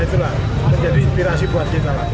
itulah menjadi inspirasi buat kita